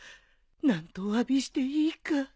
何とおわびしていいか。